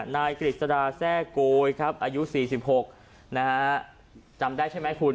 กฤษฎาแซ่โกยครับอายุ๔๖นะฮะจำได้ใช่ไหมคุณ